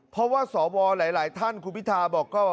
เพราะว่าสวหลายท่านคุณพิทาบอกก็